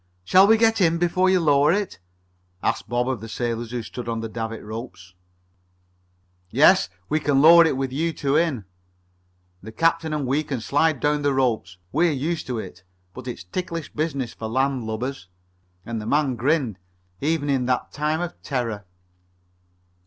"Shall we get in before you lower it?" asked Bob of the sailors who stood at the davit ropes. "Yes. We can lower it with you two in. The captain and we can slide down the ropes. We're used to it, but it's ticklish business for land lubbers." And the man grinned even in that time of terror.